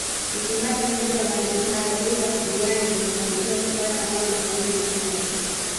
Mchimbaji mdogo wa madini hayo Laizer Kuryani amefanikiwa kupata mawe mawili makubwa